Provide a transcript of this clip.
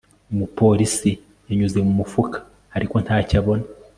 umupolisi yanyuze mu mufuka, ariko ntacyo abona